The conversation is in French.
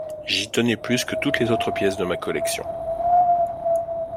J’y tenais plus que toutes les autres pièces de ma collection.